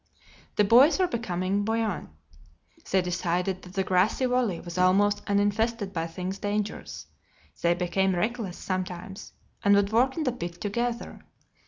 The boys were becoming buoyant. They decided that the grassy valley was almost uninfested by things dangerous. They became reckless sometimes, and would work in the pit together.